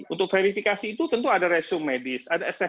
untuk verifikasi itu tentu ada resum medis